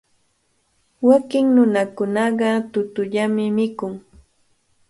Wakin nunakunaqa tutallami mikun.